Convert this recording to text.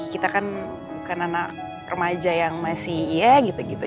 kita kan anak remaja yang masih ya gitu gitu